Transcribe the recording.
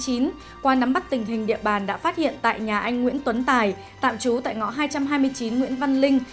hình địa bàn đã phát hiện tại nhà anh nguyễn tuấn tài tạm trú tại ngõ hai trăm hai mươi chín nguyễn văn linh